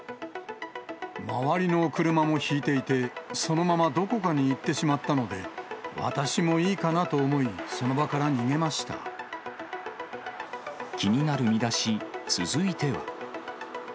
周りの車もひいていて、そのままどこかに行ってしまったので、私もいいかなと思い、気になるミダシ、続いては。